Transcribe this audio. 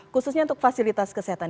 khususnya untuk fasilitas kesehatan